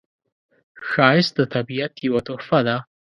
ښایست د طبیعت یوه تحفه ده